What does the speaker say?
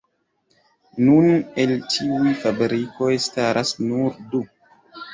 Nun el tiuj fabrikoj staras nur du.